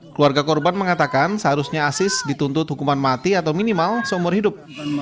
keluarga korban mengatakan seharusnya asis dituntut hukuman mati atau minimal seumur hidup